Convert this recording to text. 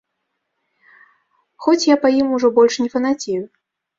Хоць я па ім ўжо больш не фанацею.